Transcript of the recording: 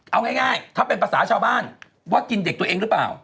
เอาง่ายถ้าเป็นภาษาชาวบ้านว่ากินเด็กตัวเองหรือเปล่า